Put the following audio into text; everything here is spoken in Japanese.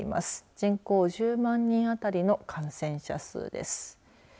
人口１０万人あたりの感染者数です。